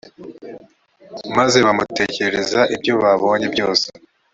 maze bamutekerereza ibyo babonye byose.